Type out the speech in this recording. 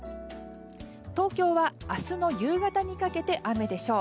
東京は明日の夕方にかけて雨でしょう。